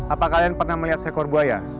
apa kalian pernah melihat seekor buaya